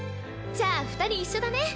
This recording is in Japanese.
じゃあ２人一緒だね！